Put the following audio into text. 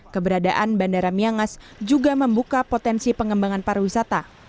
keberadaan bandara miangas juga membuka potensi pengembangan pariwisata